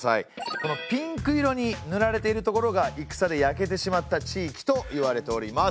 このピンク色にぬられている所が戦で焼けてしまった地域といわれております。